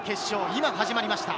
今始まりました。